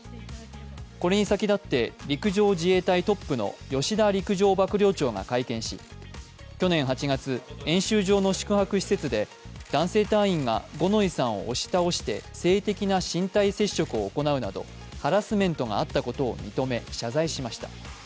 これに先だって陸上自衛隊トップの吉田陸上幕僚長が会見し、去年８月、演習場の宿泊施設で男性隊員が五ノ井さんを押し倒して性的な身体接触を行うなどハラスメントがあったことを認め、謝罪しました。